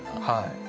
はい。